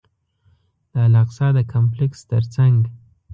د الاقصی د کمپلکس تر څنګ.